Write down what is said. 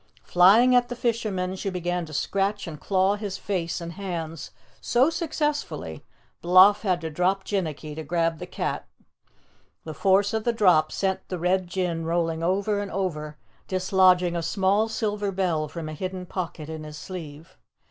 Flying at the fisherman, she began to scratch and claw his face and hands so successfully Bloff had to drop Jinnicky to grab the cat. The force of the drop sent the Red Jinn rolling over and over, dislodging a small silver bell from a hidden pocket in his sleeve.